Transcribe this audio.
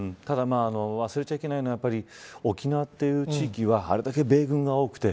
ただ忘れちゃいけないのは沖縄という地域はあれだけ米軍が多くて